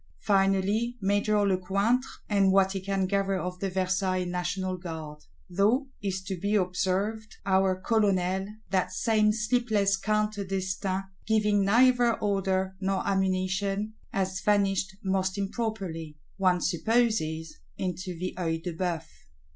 Finally Major Lecointre, and what he can gather of the Versailles National Guard; though, it is to be observed, our Colonel, that same sleepless Count d'Estaing, giving neither order nor ammunition, has vanished most improperly; one supposes, into the Œil de Bœuf.